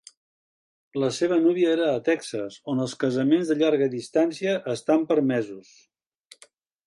La seva núvia era a Texas, on els casaments de llarga distància estan permesos.